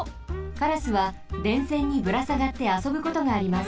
カラスは電線にぶらさがってあそぶことがあります。